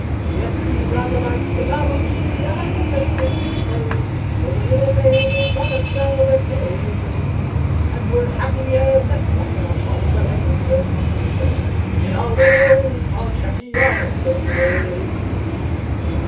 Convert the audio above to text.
"Yet we rather like the novelty Of livin' in this way, Though the bill of fare is often rather tame; An' we're happy as a clam On the land of Uncle Sam In our little old tarred shanty on the claim."